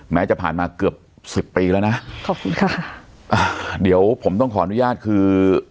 จะผ่านมาเกือบสิบปีแล้วนะขอบคุณค่ะอ่าเดี๋ยวผมต้องขออนุญาตคือ